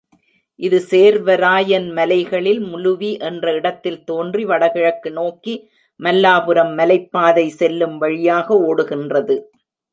இது சேர்வராயன் மலைகளில் முலுவி என்ற இடத்தில் தோன்றி வடகிழக்கு நோக்கி மல்லாபுரம் மலைப்பாதை செல்லும் வழியாக ஓடுகின்றது.